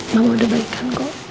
mama udah balikan kok